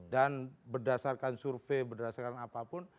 dan berdasarkan survei berdasarkan apapun